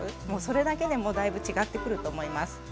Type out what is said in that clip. もうそれだけでもだいぶ違ってくると思います。